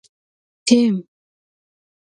ټیم